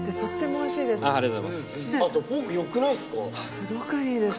すごくいいです。